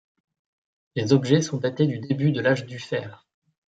Les objets sont datés du début de l'âge du fer.